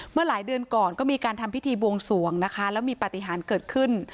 เมื่อหลายเดือนก่อนก็มีการทำพิธีบวงสวงนะคะแล้วมีปฏิหารเกิดขึ้น